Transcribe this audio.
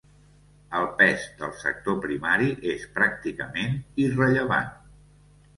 El pes del sector primari és pràcticament irrellevant.